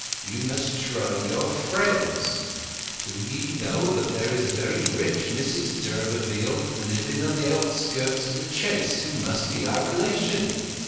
You must try your friends. Do ye know that there is a very rich Mrs d'Urberville living on the outskirts o' The Chase, who must be our relation?